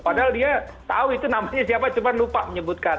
padahal dia tahu itu namanya siapa cuma lupa menyebutkan